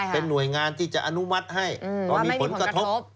เป็นหน่วยงานที่จะอนุมัติให้ก็มีผลกระทบ